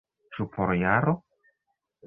Ĉu por jaro?